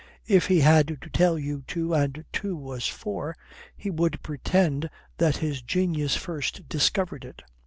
If he had to tell you two and two was four, he would pretend that his genius first discovered it.